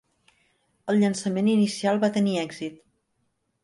El llançament inicial va tenir èxit.